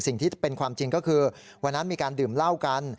สิ่งที่เป็นความจริงก็คือวันนั้นมีการดื่มเหล้ากัน